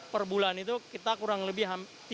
per bulan itu kita kurang lebih